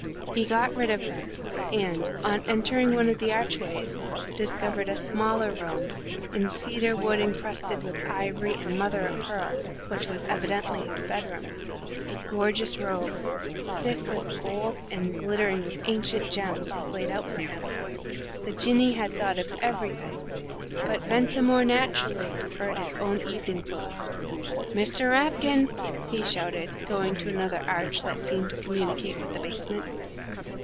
He got rid of her, and, on entering one of the archways, discovered a smaller room, in cedar wood encrusted with ivory and mother o' pearl, which was evidently his bedroom. A gorgeous robe, stiff with gold and glittering with ancient gems, was laid out for him for the Jinnee had thought of everything but Ventimore, naturally, preferred his own evening clothes. "Mr. Rapkin!" he shouted, going to another arch that seemed to communicate with the basement.